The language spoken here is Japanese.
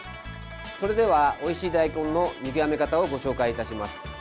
それでは、おいしい大根の見極め方をご紹介いたします。